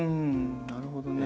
なるほどね。